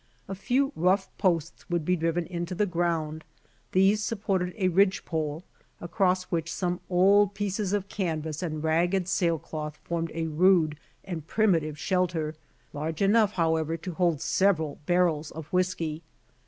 A few rough posts would be driven into the ground. These supported a ridgepole, across which some old pieces of canvas and ragged sailcloth formed a rude and primitive shelter, large enough, however to hold sev eral barrels of whiskey.